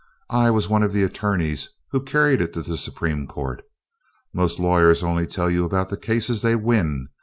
I was one of the attorneys who carried it to the Supreme Court. Most lawyers only tell you about the cases they win.